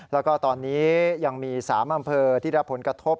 แล้วก็ตอนนี้ยังมี๓อำเภอที่รับผลกระทบ